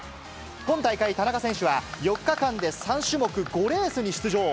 今大会、田中選手は、４日間で３種目５レースに出場。